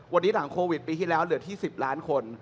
วันนี้หลังโควิดปีที่แล้วเหลือที่๑๐ล้านคน